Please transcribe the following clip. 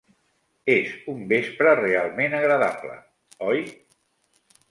És un vespre realment agradable, oi?